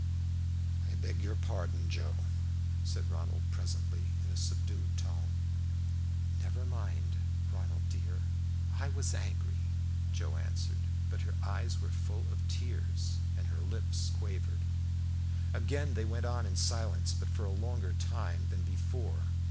"I beg your pardon, Joe," said Ronald presently, in a subdued tone. "Never mind, Ronald dear, I was angry," Joe answered. But her eyes were full of tears, and her lips quivered. Again they went on in silence, but for a longer time than before.